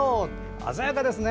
鮮やかですね！